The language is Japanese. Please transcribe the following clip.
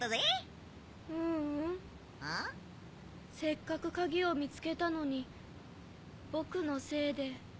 せっかくカギをみつけたのにぼくのせいで。